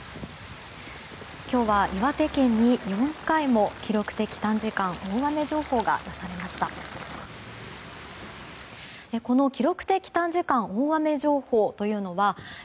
今日は岩手県に４回も記録的短時間大雨情報が出されました。